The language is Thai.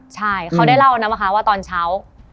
ใช่เขาได้เล่านะคะว่าตอนเช้า